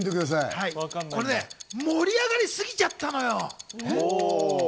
これね、盛り上がりすぎちゃったのよ。